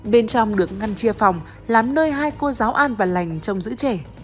bên trong được ngăn chia phòng làm nơi hai cô giáo an và lành trong giữ trẻ